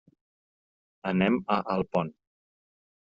Anem a Alpont.